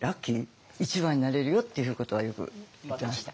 一番になれるよっていうことはよく言ってました。